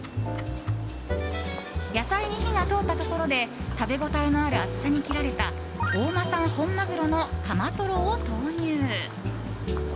野菜に火が通ったところで食べ応えのある厚さに切られた大間産本マグロのカマトロを投入。